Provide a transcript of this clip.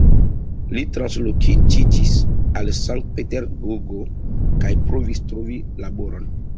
Li transloĝiĝis al Sankt-Peterburgo kaj provis trovi laboron.